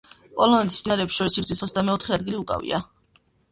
პოლონეთის მდინარეებს შორის სიგრძით ოცდამეოთხე ადგილი უკავია.